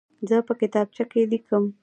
زه په کتابچه کې لیکم.